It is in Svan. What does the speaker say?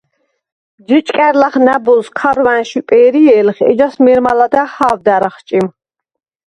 ჯჷჭკა̈რ ლახ ნა̈ბოზს ქარვანშვ იპვე̄რჲე̄ლხ, ეჯას მე̄რმა ლადა̈ღ ჰა̄ვდა̈რ ახჭიმ.